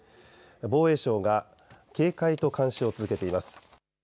防衛省が警戒と監視を続けています。